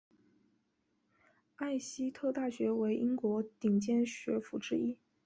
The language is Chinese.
艾希特大学为英国顶尖学府之一。